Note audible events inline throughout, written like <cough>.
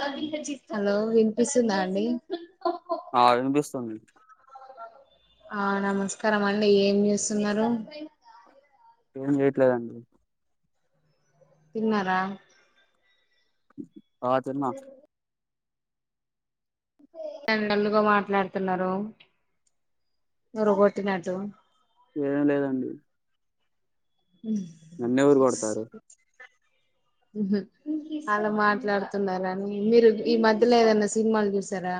ఉమ్. వినిపిస్తుందా అండి ఆ వినిపిస్తుంది ఆ నమస్కరమ్మండి ఏం చేస్తున్నారు ఏం చేయట్లేదండి తిన్నరా ఆ తిన్నా డల్ డల్గా మాట్లాడుతున్నారు ఎవరో గొట్టినటు ఏం లేదండి నన్నెవరు కొడతారు ఉహూ అలా మాట్లాడుతున్నారా అని మీరు ఈ మధ్యలో ఏదన్న సినిమాలు చూసారా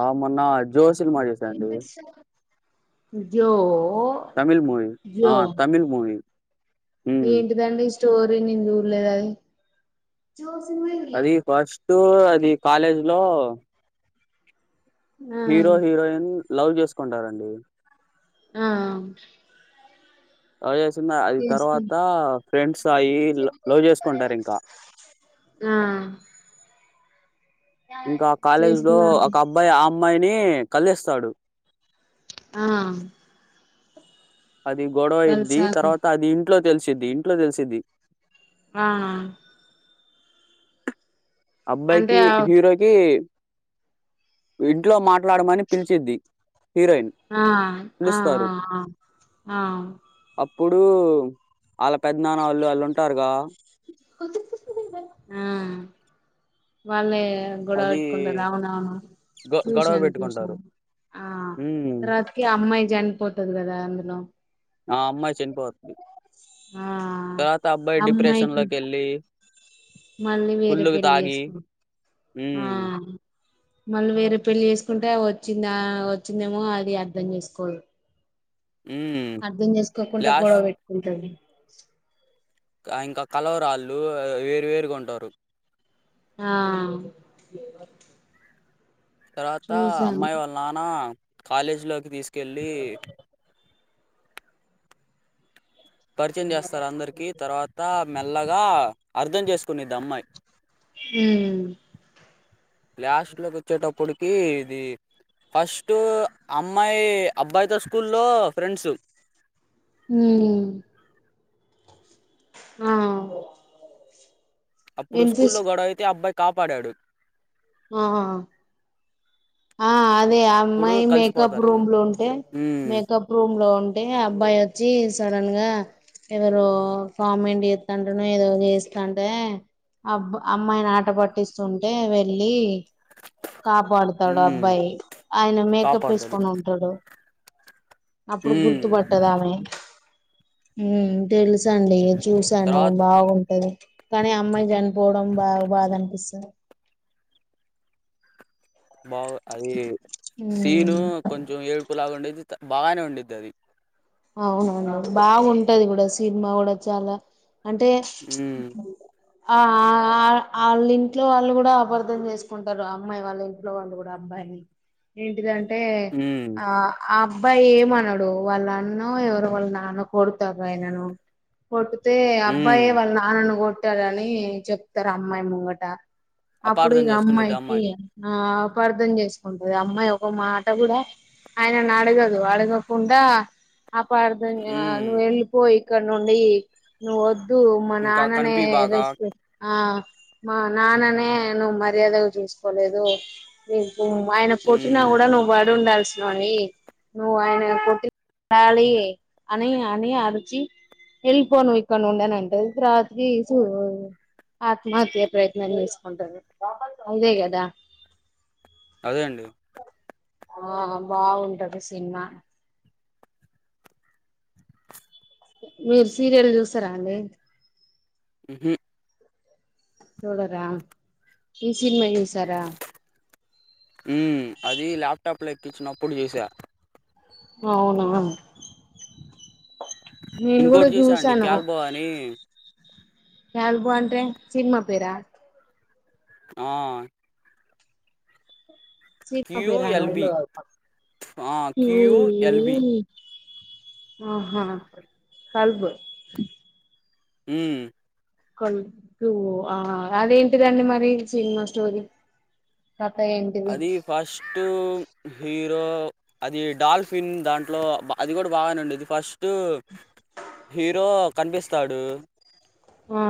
ఆ మొన్న జో సినిమాచూసా జో తమిళ్ మూవీ ఆ జో తమిళ్ మూవీ ఉమ్ ఏంటిదండి స్టోరీ నేను చూడలేదది అది ఫస్ట్ అది కాలేజ్లో ఆ హీరో హీరోయిన్ లవ్ చేసుకుంటారండి ఆ లవ్ చేస్తున్న అది చేసుకు తర్వాత ఫ్రెండ్స్ అయి లవ్ చేసుకుంటారు ఇంకా ఆ ఇంక కాలేజ్లో చేసుకున్నాక ఒక అబ్బాయి ఆ అమ్మాయిని కలుస్తాడు ఆ అది గొడవైద్ది కలిసాక తర్వాత అది ఇంట్లో తెలిసిద్ది ఇంట్లో తెలిసిద్ది ఆ అంటే అబ్బాయికి ఆ హీరోయి కి ఇంట్లో మాట్లాడమని పిలిచిద్ది హీరోయిన్ ఆ పిలుస్తారు ఆఆఆ ఆ అప్పుడు వాళ్ళ పెద్దనాన్న వాళ్ళు వాళ్ళు ఉంటారుగా ఆ వాళ్ళే గొడవ అది పెట్టుకుంటనరు అవునవును గొ గొడవ చూసాను పెట్టుకుంటారు చూసాను ఆ ఉమ్ రాత్ర అమ్మాయి చనిపోతది కదా అందులో ఆ అమ్మాయి చనిపోతది ఆ తర్వాత అబ్బాయి అమ్మాయికి డిప్రెషన్లోకి వెళ్ళి మళ్ళీ వేరే ఫుల్లుగా పెళ్లి తాగి చేసుకుంటడు ఆ ఉమ్ మళ్ళీ వేరే పెళ్లి చేసుకుంటే వచ్చింద వచ్చిందేమో అది అర్ధం చేసుకోదు ఊ అర్ధం చేస్కోకుండా గొడవ పెట్టుకుంటుంది ఇంకా కలవరాళ్ళు వేరు వేరుగా ఉంటారు ఆ తర్వాత చూసాను అమ్మాయి వాళ్ళ నాన్న కాలేజీలోకి తీసుకెళ్ళి పరిచయం చేస్తారు అందరికి తర్వాత మెల్లగా అర్థం చేసుకునిద్ది అమ్మాయి హు లాస్ట్ లోకి వచ్చేటప్పటికి ఇది ఫస్ట్ అమ్మాయి అబ్బాయితో స్కూల్లో ఫ్రెండ్స్ హు ఆ అప్పుడు వినిపిస్ స్కూల్లో గొడవ అయితే అబ్బాయి కాపాడాడు ఆహా ఆ అదే అప్పుడు అమ్మాయి మేకప్ కలిసిపోతారు రూమ్లో ఉంటే ఉమ్ మేకప్ రూమ్లో ఉంటే అబ్బాయి వచ్చి సడన్గా ఎవరో కామెంట్ చెత్తంటేనో ఏదో చేస్తాంటేనే అబ్బ అమ్మాయిని ఆట పట్టిస్తుంటే వెళ్ళి కాపాడుతాడు ఉమ్ అబ్బాయి ఆయన మేకప్ కాపాడతాడు వేసుకొని ఉ డుడు అప్పుడు గుర్తు ఉమ్ పట్టదామె ఉమ్ తెలుసండి చూసాను తర్వాత బాగుంటది. కనీ అమ్మాయి చనిపోవడం బాగా బాధ అనిపిస్తది. బాగు అది సీను ఉమ్ కొంచెం ఏడుపు లాగా ఉండేదిత బాగనే ఉండిద్ది అది. అవునవును బాగుంటది గుడా సినిమా గుడ చాలా అంటే ఉమ్ అంత ఆ ఆళ్ళ ఇంట్లో వాళ్ళు గుడ అబర్ధం చేసుకుంటరు, ఆ అమ్మాయి వాళ్ళ ఇంట్లో వాళ్ళు గుడా. అబ్బాయిని ఏంటిదంటే ఉమ్ ఆ ఆ అబ్బాయి ఏమనడు వాళ్ళన్ న్నో ఎవరో వాళ్ళ నాన్నో కొడుతార్రయనను, కొటితే ఉమ్ అబ్బాయే వాళ్ళ నాన్నను కొట్ ట్టారని చెప్తారు అమ్మాయి ముంగట, అప్పుడు అపార్థం ఇగ చేసుకునేది అమ్మాయికి అమ్మాయి ఆ అపార్థం చేసుకుంటది, అమ్మాయి ఒక మాట గుడా ఆయననడగదు అడగకుండా అపార్థం ఆ ఉమ్ నువ్వు వెళ్ళిపోయి ఇక్కడ నుండి, నువ్వు వద్ దు మా ఇంకా నాన్ననే కనిపిబాక రెస్ ఆ మా నాన్ననే నువ్వు మర్యాదగా చూసుకోలేదు. ఆయన కొట్టినా ఉమ్ గుడా నువ్వు పడి ఉండాల్సినోనివి, నువ్వు ఆయన కొట్టి కాలీ అని అని అరిచి ఎళ్ళిపో నువ్ ఇక్కడి నుండి అని అంటది, రాత్రి సూ ఆత్మహత్య ప్రయత్నం చేసుకుంటది అదే గదా అదే అండి ఆ బాగుంటది సినిమా మీరు సీరియల్ చూస్తరా అండి? ఉహు చూడరా, ఈ సినిమా చూసారా? మ్మ్ అది ల్యాప్టాప్ లో ఎక్కించినప్పుడు చూసా. అవునా నేను కూడా ఇంకోటి చూసా అండి చూసాను క్యాల్బో అని. క్యాల్బో అంటే సినిమా పేరా? ఆ సీనిమా పేరా క్యూఎల్బి అండి? ఆ క్యూఎల్బి ఉహు అహా కల్ప్ ఉమ్ కట్టు ఆ అదేంటిదండి మరి సినిమా స్టోరి? కథ ఏంటి? అది ఫస్ట్ హీరో అది డాల్ఫిన్ దాంట్లో అది కూడా బాగనే ఉండేది, ఫస్ట్ హీరో కనిపిస్తాడు. ఆ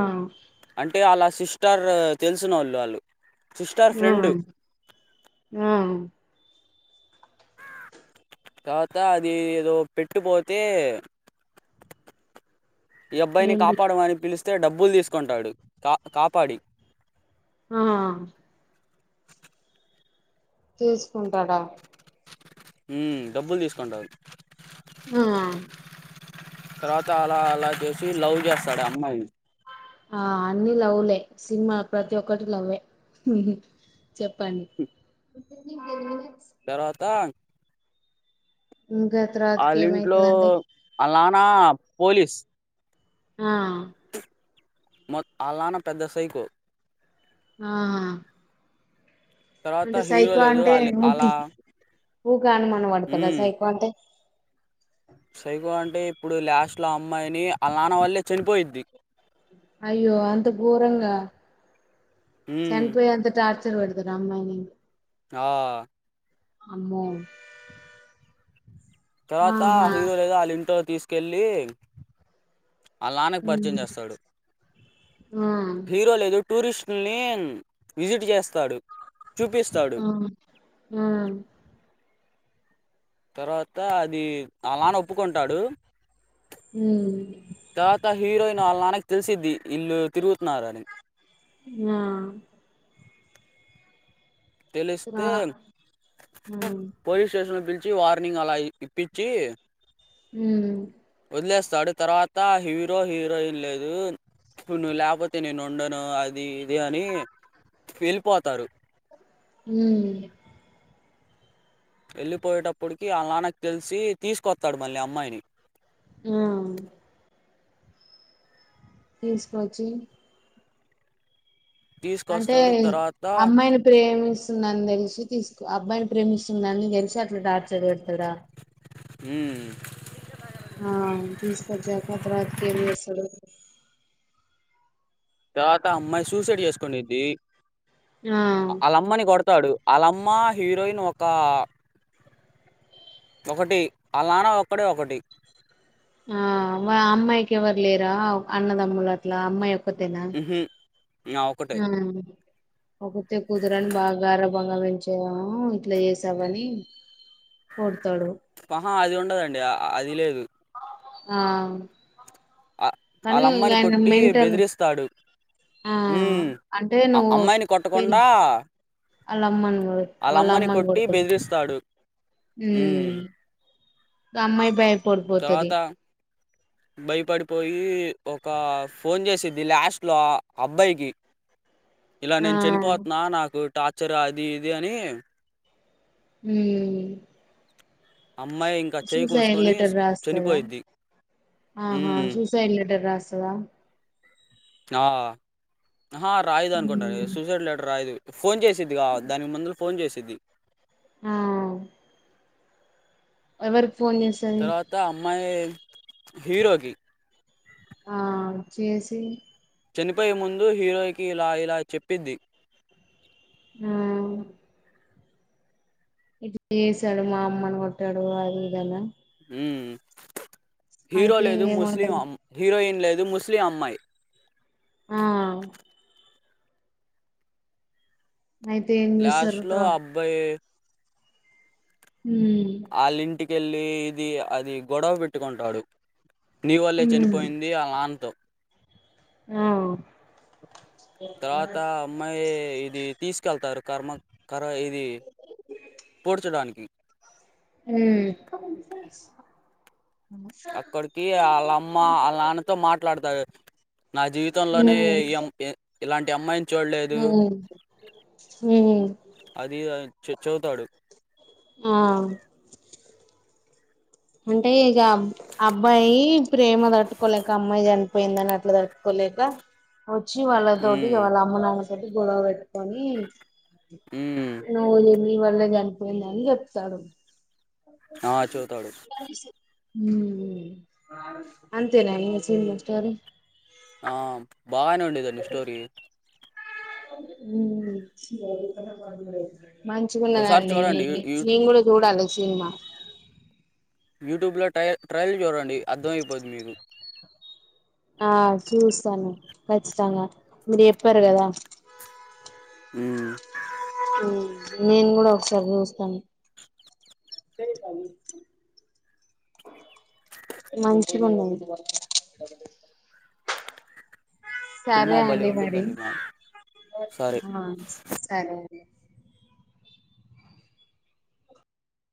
అంటే ఆళ్ళ సిస్టర్ తెలిసినోళ్ళు ఆళ్ళు మ్మ్ మ్మ్ తర్వాత అది ఏదో పెట్టు పోతే ఈ అబ్బాయిని ఏం కాపాడమని పిలిస్తే డబ్బులు తీసుకుంటాడు, కా కాపాడి ఆహ తీసుకుంటాడా? మ్మ్ డబ్బులు తీసుకుంట ఆ తర్వాత అలా అల చేసి లవ్ చేస్తాడు ఆ అమ్మాయి ఆ అన్ని లవ్లే సినిమా ప్రతి ఒక్కటి లవ్వే చెప్పండి ఆ తర్వాత ఇంకా తర్వాతకి ఏమైతది అండి అల్ నాన్న పోలీస్ ఆ మొ ఆల్ నాన్న పెద్ద సైకో ఆ తర్వాత అంటే హీరో సైకో లేదు అంటే ఆళ్ళ ఊకి అలా ఊక అనుమనం <unintelligible> హ్మ్ సైకో అంటే సైకో అంటే ఇప్పుడు లాస్ట్లో అమ్మాయిని ఆల్నాన్న వల్లే చనిపోయిద్ది అయ్యో అంత ఘోరంగ హ్మ్ చనిపోయి అంత టార్ <unintelligible> ఆ అమ్మాయిని ఆ అమ్మో తర్వాత ఆహా హీరో లేదా వాళ్ళ ఇంట్లో తీసుకెళ్ళి ఆళ్ళ నాన్నకు పరిచయం మ్మ్ చేస్తాడు ఆ హీరో లేదు టూరిస్ట్లని విజిట్ చేస్తాడు చూపిస్తాడు ఆ తర్వాత అది వల్ల నాన్న ఒప్పుకుంటాడు ఉమ్ తర్వాత హీరోయిన్ వాళ్ళ నాన్నకి తెలిసిది ఇల్లు తిరుగుతున్నారని ఆ ఆ తెలిస్తే ఆ ఉమ్ పోలీస్ స్టేషన్ లోకి పిలిచి వార్నింగ్ అలా ఇప్పించి హు వదిలేస్తాడు తర్వాత హీరో హీరోయిన్ లేదు నువు లేకపోతే నేను ఉండను అది ఇది అని వెళ్ళిపోతారు ఉ వెళ్ళిపోయేటప్పటికి ఆల్ల నాన్నకి తెలిసి తీసుకొస్తాడు మళ్ళీ అమ్మాయిని ఆ తీసుకోచ్చి అంటే తీసుకొస్తాడు తర్వాత అమ్మాయిని ప్రేమిస్తుందని తెలిసి తీసుకు అబ్బాయిని ప్రేమిస్తుందని తెలిసి అట్లా డార్ట్ చది పెడతాడ హు ఆ తీసుకొచ్చాక ఆ తర్వాతికి ఏం చేస్తడు తర్వాత ఆ అమ్మాయి సూసైడ్ చేసుకోంది ఆ వాళ్ళ అమ్మాయిని కొడత <unintelligible> అలమ్మ హీరోయిన్ ఒకా ఒకటి ఆళ్ల నాన్న ఒక్కడే ఒకటి ఆ అమ్మాయికి ఎవరు లేర అన్నదమ్ములు అట్ల అమ్మాయి ఒక్క తిన న ఒక ఆ ఒకతే కుతరని బాగా గర్భంగా పెంచము ఇట్లా చేసావని కొడతాడు ఆహా అది ఉండదండి అది లేదు ఆ ఆ- కానీ వాళ్ళ ఇంగ అమ్మని ఆయనకు కొట్టి మెంటలు బెదిరిస్తాడు ఆ ఉమ్ అంటే ఆ నువ్వు అమ్మాయిని తేని కొట్టకుండా వాళ్ళ అమ్మను ఆళ్ళ వాళ్ళ అమ్మని అమ్మను కొట్టి కొడతది బెదిరిస్తాడు హ్మ్ అమ్మయి బా తాత భయపడిపోయి ఒక ఫోన్ చేసిది లాస్ట్ లో ఆ అబ్బాయికి ఇలా ఆ నేను చనిపోతున్నా నాకు టార్చర్ అది ఇది అని మ్ అమ్మాయి ఇంక్ సూసైడ్ లెటర్ రాస్తదా ఆహా హ్మ్ సూసైడ్ లెటర్ రాస్తదా ఆ ఆహా రాయదు అనుకుంటను ఉమ్ సూసైడ్ లెటర్ రాయదు ఫోన్ చేసిద్దిగా దానికి ముందుల ఫోన్ చేసిద్ది ఆ ఎవరికి ఫోన్ చేసి తర్వాత అమ్మాయి హీరోకి ఆ చేసి చనిపోయే ముందు హీరోయకి ఇలా ఇలా చెప్పిద్ది మ్ ఇట్ చేసాడు మా అమ్మను కొట్టాడు అది ఇదనా మ్ హీరో అయితే లేదు ముస్లింమ్ ఏమంటది అమ్ హీరోయిన్ లేదు ముస్లిం అమ్మాయి ఆ అయితే లాస్ట్ చేస్తారు లో ఆ తర్వాత అబ్బాయి మ్ వాళ్ళ ఇంటికెళ్ళి ఇది అది గొడవ పెట్టుకుంటాడు నీ వల్లే ఉమ్ చనిపోయింది ఇది ఆళ్ల నాన్ తో ఆ తర్వాత ఆ అమ్మాయి ఇది తీసుకెళ్తారు కర్మ కర ఇది పూడ్చడానికి మ్ అక్కడికి వాళ్ళ అమ్మ ఆళ్ల నాన్నతో మాట్లాడతడు నా జీవితంలోనే ఈ అమ్మ ఎ ఇలాంటి అమ్మాయిని చూడలేదు మ్ అది అధ్ చవ్ చదువుతాడు ఆ అంటే ఇగ అబ్ అబ్బాయి ప్రేమ తట్టుకోలేక అమ్మాయి చనిపోయిందని అట్లా తట్టుకోలేక వచ్చి వాళ్ళతోటి హ్మ్. వాళ్ళ అమ్మ నాన్న తోటి గొడవ పెట్టుకొని మ్ నీ వల్లే నీ వల్లే చనిపోయింద అని చెప్తాడు అ చెబుతాడు మ్ అంతేనా ఇ సినిమల్ స్టోరీ ఆ బాగానే ఉండేదండి స్టోరీ మ్ ఒకసారి మంచిగున్నదండి చూడండి యూ యూ నేను కూడా చూడాలి సినిమా యూట్యూబ్ లో ట్రయ ట్రయల్ చూడండి అర్థం అయిపోయిది మీకు ఆ చూస్తాను ఖచ్చితంగా మీరు చెప్పారు కదా హ్మ్ నేను కూడా ఒకసారి చూస్తాను వేరే పని ఇత్తాను మంచిగ ఉండాలి సరే సినిమా భలే అండి మరి ఉండిద్దండి మా సరే అ సరే అండి